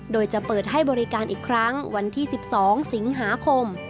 โดยจะเปิดให้บริการอีกครั้งวันที่๑๒สิงหาคม